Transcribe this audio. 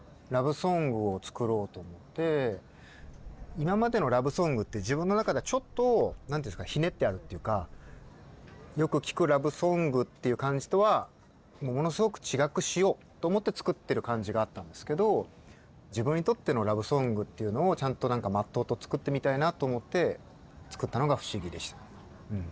今までのラブソングって自分の中ではちょっとひねってあるというかよく聞くラブソングっていう感じとはものすごく違くしようと思って作ってる感じがあったんですけど自分にとってのラブソングっていうのをちゃんとまっとうと作ってみたいなと思って作ったのが「不思議」でした。